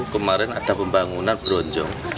kemarin ada pembangunan bronjong